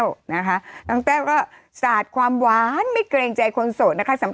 แล้วคุณแม่นางแม่ก็สาดความหวานไม่เกรงใจคนสูสนะคะ